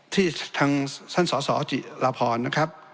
ที่ทางท่านสสจิรพรนะครับ